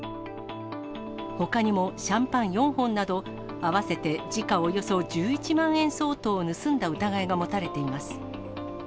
ほかにもシャンパン４本など、合わせて時価およそ１１万円相当を盗んだ疑いが持たれています。